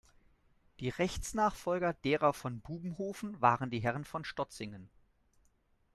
Die Rechtsnachfolger derer von Bubenhofen waren die Herren von Stotzingen.